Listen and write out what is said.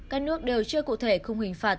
các nước đều chưa cụ thể không hình phạt